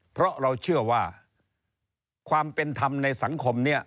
เพราะเราเชื่อว่าความเป็นธรรมในสังคมนี้